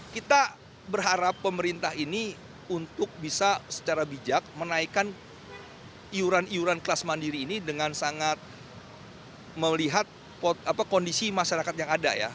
kita berharap pemerintah ini untuk bisa secara bijak menaikkan iuran iuran kelas mandiri ini dengan sangat melihat kondisi masyarakat yang ada ya